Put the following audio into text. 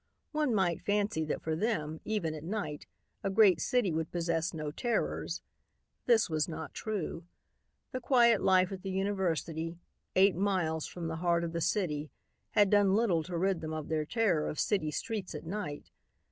One might fancy that for them, even at night, a great city would possess no terrors. This was not true. The quiet life at the university, eight miles from the heart of the city, had done little to rid them of their terror of city streets at night.